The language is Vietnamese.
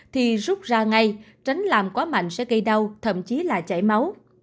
thì rút ra ngay tránh làm quá mạnh sẽ gây đau thậm chí là chảy máu